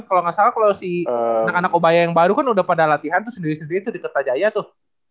kalau nggak salah kalau si anak anak obaya yang baru kan udah pada latihan tuh sendiri sendiri itu di kertajaya tuh